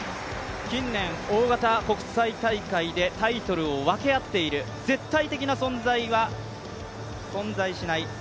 近年、大型国際大会でタイトルを分け合っている、絶対的な存在は、存在しない。